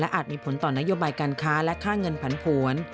อาจมีผลต่อนโยบายการค้าและค่าเงินผันผวน